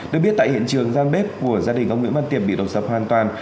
được biết tại hiện trường gian bếp của gia đình ông nguyễn văn tiệp bị đổ sập hoàn toàn